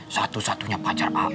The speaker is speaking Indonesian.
satu satunya pacar aam